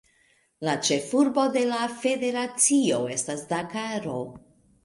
La ĉefurbo de la federacio estis Dakaro.